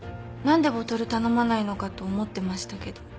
何でボトル頼まないのかと思ってましたけど。